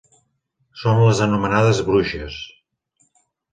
Són les anomenades bruixes.